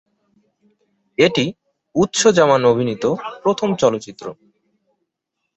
এটি উৎস জামান অভিনীত প্রথম চলচ্চিত্র।